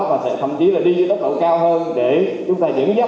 và sẽ thậm chí là đi đến tốc độ cao hơn để chúng ta dẫn dắt